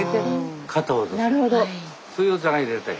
そういうお茶がいれたい。